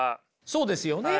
そうですよね。